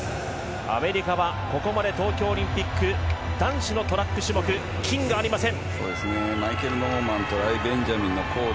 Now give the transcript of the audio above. アメリカはここまで東京オリンピック男子のトラック種目金がありません。